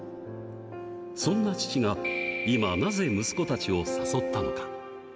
そんな父が今、なぜ息子たちを誘ったのか。